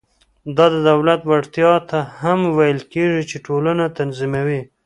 دا د دولت وړتیا ته هم ویل کېږي چې ټولنه تنظیموي.